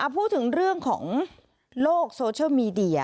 พูดถึงเรื่องของโลกโซเชียลมีเดีย